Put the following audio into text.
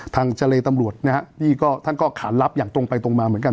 ทางเจรตำรวจนะฮะนี่ก็ท่านก็ขานรับอย่างตรงไปตรงมาเหมือนกัน